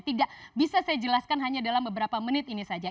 tidak bisa saya jelaskan hanya dalam beberapa menit ini saja